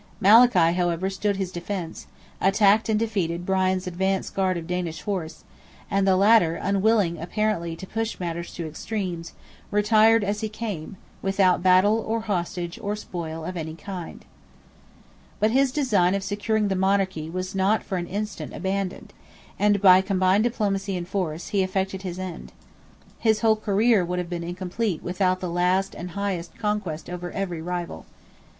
Malachy, however, stood to his defence; attacked and defeated Brian's advance guard of Danish horse, and the latter, unwilling apparently to push matters to extremities, retired as he came, without "battle, or hostage, or spoil of any kind." But his design of securing the monarchy was not for an instant abandoned, and, by combined diplomacy and force, he effected his end. His whole career would have been incomplete without that last and highest conquest over every rival.